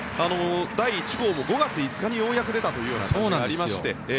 第１号も５月５日にようやく出たというのがありまして。